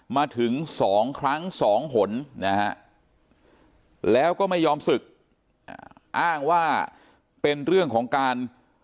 มาถึง๒ครั้ง๒หนนะฮะแล้วก็ไม่ยอมศึกอ้างว่าเป็นเรื่องของการ